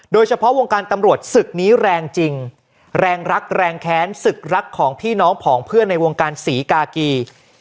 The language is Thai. โดยเฉพาะวงการตำรวจศึกนี้แรงจริงแรงรักแรงแค้นศึกรักของพี่น้องผองเพื่อนในวงการศรีกากี